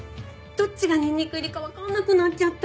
どっちがニンニク入りかわからなくなっちゃった。